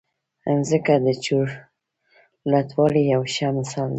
مځکه د چورلټوالي یو ښه مثال دی.